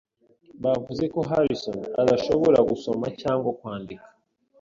Bavuze ko Harrison adashobora gusoma cyangwa kwandika.